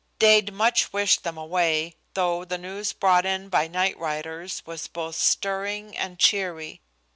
Dade much wished them away, though the news brought in by night riders was both stirring and cheery.